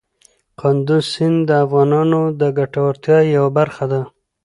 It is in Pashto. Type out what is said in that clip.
کندز سیند د افغانانو د ګټورتیا یوه برخه ده.